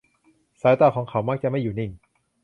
สายตาของเขามักจะอยู่ไม่นิ่ง